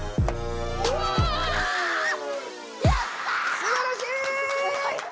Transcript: すばらしい！